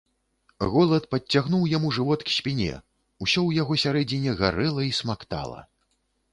Голад падцягнуў яму жывот к спіне, усё ў яго сярэдзіне гарэла і смактала.